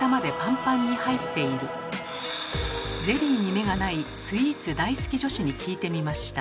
ゼリーに目がないスイーツ大好き女子に聞いてみました。